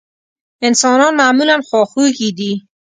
انسانان معمولا خواخوږي دي.